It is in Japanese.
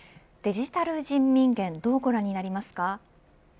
デジタル人民元どうご覧になりますか。